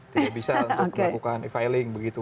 tidak bisa untuk melakukan e filing begitu